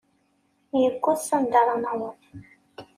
Iwweḍ s anda ara naweḍ.